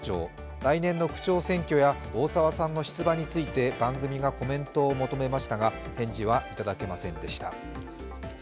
来年の区長選挙や大沢さんの出馬について番組がコメントを求めましたが返事はいただけませんでした。